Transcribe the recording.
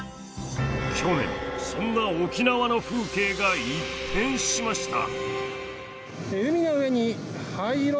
去年そんな沖縄の風景が一変しました。